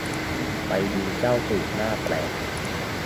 ไปดูเจ้าตูบหน้าแปลก